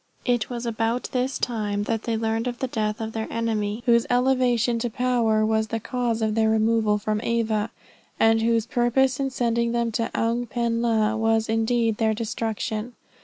It was about this time they learned the death of their enemy, whose elevation to power was the cause of their removal from Ava, and whose purpose in sending them to Oung pen la, was indeed their destruction.